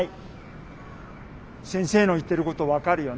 先生の言ってること分かるよな。